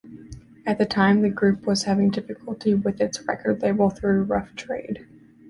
At the time the group was having difficulty with its record label Rough Trade.